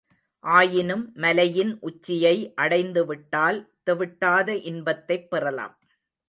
ஆயினும், மலையின் உச்சியை அடைந்துவிட்டால், தெவிட்டாத இன்பத்தைப் பெறலாம்.